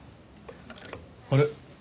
あれ？